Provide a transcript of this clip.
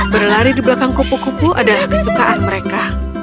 berlari di belakang kupu kupu adalah kesukaan mereka